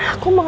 aku takut pak